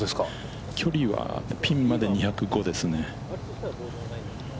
距離はピンまで２０５ですね。